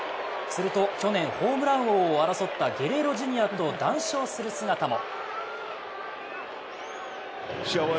すると去年ホームラン王を争ったゲレーロ・ジュニアと談笑する姿も。